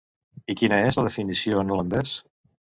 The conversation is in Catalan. I quina és la definició en holandès?